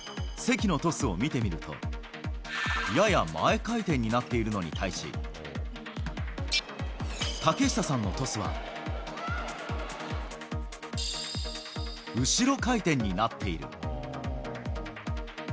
関のトスを見てみると、やや前回転になっているのに対し、竹下さんのトスは、後ろ回転になっている。